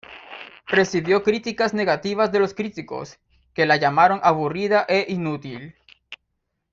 Recibió críticas negativas de los críticos, que la llamaron "aburrida" e "inútil".